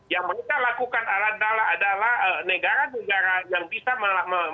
yang mereka lakukan adalah negara negara yang bisa penerbangan penerbangan yang bisa masuk ke arab saudi